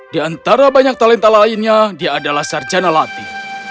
di antara banyak talenta lainnya dia adalah sarjana latih